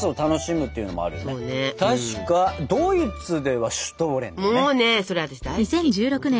確かドイツではシュトレンだったね。